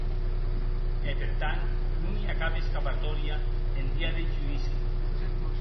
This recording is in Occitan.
E per tant, non i a cap escapatòria en dia deth Judici.